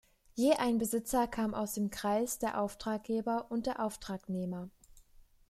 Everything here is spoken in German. Je ein Beisitzer kam aus dem Kreis der Auftraggeber und der Auftragnehmer.